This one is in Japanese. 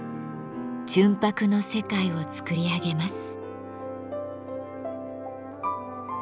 純白の世界を作り上げます。